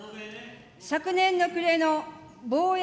昨年の暮れの防衛